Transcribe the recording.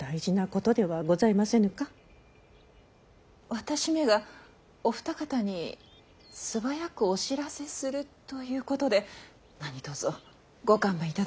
私めがお二方に素早くお知らせするということで何とぞご勘弁頂きたく。